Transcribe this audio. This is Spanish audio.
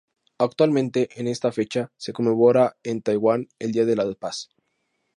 Actualmente en esta fecha se conmemora en Taiwán el Día de la Paz.